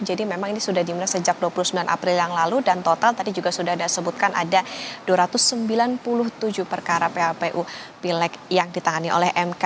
jadi memang ini sudah dimulai sejak dua puluh sembilan april yang lalu dan total tadi juga sudah ada sebutkan ada dua ratus sembilan puluh tujuh perkara phpu pilek yang ditangani oleh mk